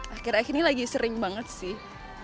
akhirnya ini lagi sering banget sih